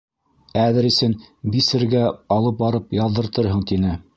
— Әҙрисен бисергә алып барып яҙҙыртырһың, — тине.